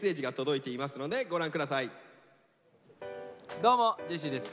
どうもジェシーです。